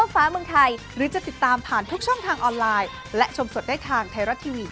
และชมสวัสดิ์ได้ทางไทรัฐทีวี